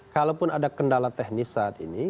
kalaupun ada kendala teknis saat ini